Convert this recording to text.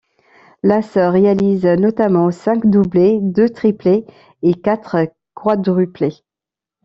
L'as réalise notamment cinq doublés, deux triplés et quatre quadruplés.